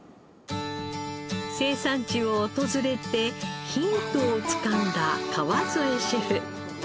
生産地を訪れてヒントをつかんだ川副シェフ。